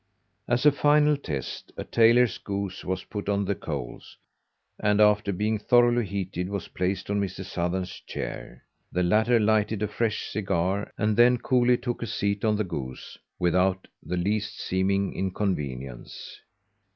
As a final test, a tailor's goose was put on the coals, and, after being thoroughly heated, was placed on Mr. Sothern's chair. The latter lighted a fresh cigar, and then coolly took a seat on the goose without the least seeming inconvenience.